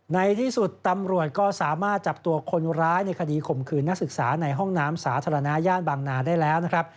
ในที่สุดตำรวจก็สามารถจับตัวคนร้ายในคดีข่มขืนนักศึกษาในห้องน้ำสาธารณะย่านบางนาได้แล้วนะครับ